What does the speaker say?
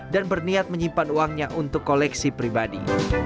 dan berniat menyimpan uangnya untuk koleksi pribadi